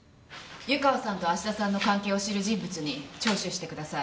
湯川さんと芦田さんの関係を知る人物に聴取してください。